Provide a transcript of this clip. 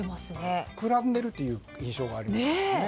膨らんでるという印象がありますよね。